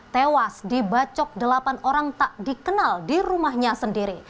tewas dibacok delapan orang tak dikenal di rumahnya sendiri